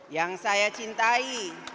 yang saya cintai